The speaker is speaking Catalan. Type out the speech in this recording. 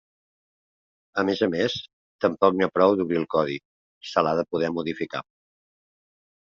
A més a més, tampoc n'hi ha prou d'obrir el codi, se l'ha de poder modificar.